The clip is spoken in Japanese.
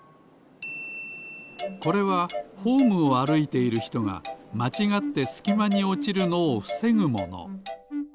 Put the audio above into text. これはホームをあるいているひとがまちがってすきまにおちるのをふせぐもの。